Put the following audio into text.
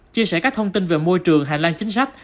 chia sẻ các thông tin về môi trường hành lang chính sách